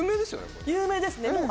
有名ですね